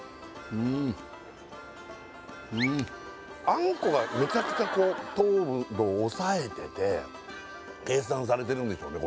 あんこがめちゃくちゃこう糖度をおさえてて計算されてるんでしょうね